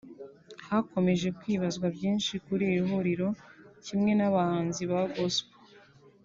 hakomeje kwibazwa byinshi kuri iri rihuriro kimwe n’ abahanzi ba gospel